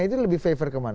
itu lebih favor ke mana